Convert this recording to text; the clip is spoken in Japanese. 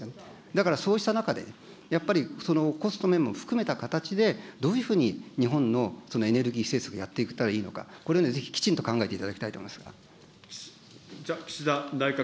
だから、そうした中で、やっぱりこのコスト面も含めた形で、どういうふうに日本のエネルギー政策をやっていったらいいのか、これをね、ぜひきちんと考えていただきたいと思います。